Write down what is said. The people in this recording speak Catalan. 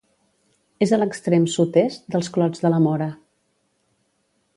És a l'extrem sud-est dels Clots de la Móra.